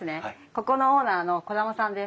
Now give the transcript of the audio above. ここのオーナーの兒玉さんです。